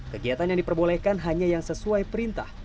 kegiatan yang diperbolehkan hanya yang sesuai perintah